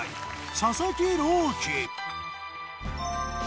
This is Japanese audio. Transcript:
佐々木朗希。